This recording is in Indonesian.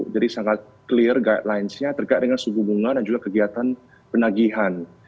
jadi sangat clear guidelines nya terkait dengan suku bunga dan juga kegiatan penagihan